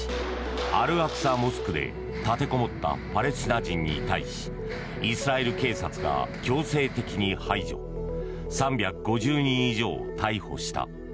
アルアクサモスクで立てこもったパレスチナ人に対しイスラエル警察が強制的に排除３５０人以上を逮捕した。